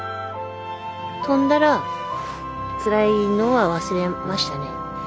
飛んだらつらいのは忘れましたね。